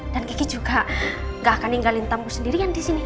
dan gigi juga gak akan ninggalin tamu sendirian disini